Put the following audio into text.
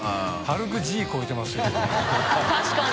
確かに。